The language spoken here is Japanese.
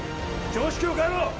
常識を変えろ！